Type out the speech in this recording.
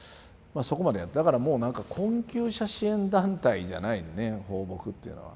そこまでだからもうなんか困窮者支援団体じゃないのね抱樸っていうのは。